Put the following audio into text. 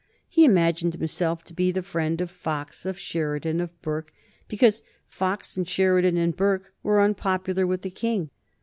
He imagined himself to be the friend of Fox, of Sheridan, of Burke, because Fox and Sheridan and Burke were unpopular with the King.